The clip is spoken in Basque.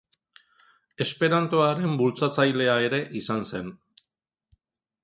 Esperantoaren bultzatzailea ere izan zen.